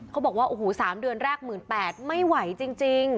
เขาบอกว่าโอ้โห๓เดือนแรก๑๘๐๐ไม่ไหวจริง